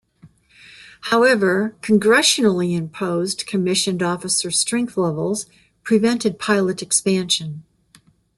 However, congressionally-imposed commissioned officer strength levels prevented pilot expansion.